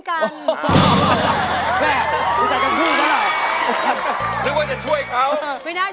ครับมีแฟนเขาเรียกร้อง